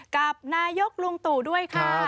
กับนายกลุงตู่ด้วยค่ะ